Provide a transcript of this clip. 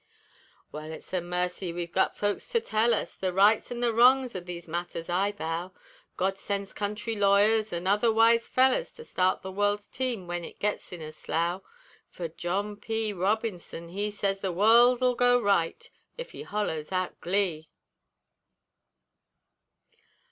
Wal, it's a marcy we've gut folks to tell us The rights an' the wrongs o' these matters, I vow God sends country lawyers, an' other wise fellers, To start the world's team w'en it gits in a slough; Fer John P. Robinson he Sez the world'll go right, ef he hollers out Gee!